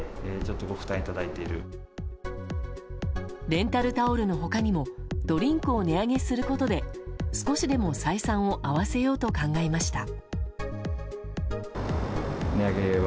レンタルタオルの他にもドリンクを値上げすることで少しでも採算を合わせようと考えました。